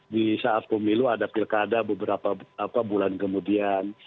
di saat pemilu ada pilkada beberapa bulan kemudian